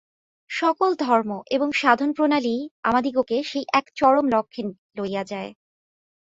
সকল ধর্ম এবং সাধন-প্রণালীই আমাদিগকে সেই এক চরম লক্ষ্যে লইয়া যায়।